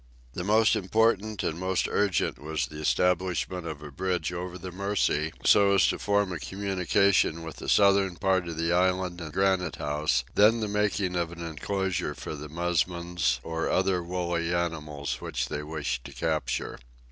The most important and most urgent was the establishment of a bridge over the Mercy, so as to form a communication with the southern part of the island and Granite House; then the making of an enclosure for the musmons or other woolly animals which they wished to capture.